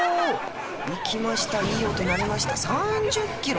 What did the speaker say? いきましたいい音鳴りました３０キロ